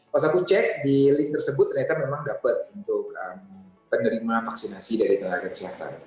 pas aku cek di link tersebut ternyata memang dapat untuk penerima vaksinasi dari tenaga kesehatan